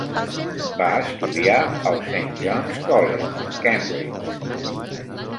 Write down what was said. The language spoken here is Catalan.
Va estudiar al Saint John's College, Cambridge.